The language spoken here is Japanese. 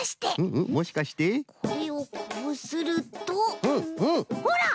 これをこうするとほら！